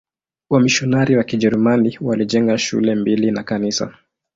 Wamisionari wa Kijerumani walijenga shule mbili na kanisa.